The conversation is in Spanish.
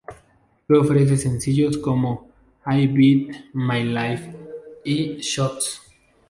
Que ofrece sencillos como "I Bet My Life" y "Shots".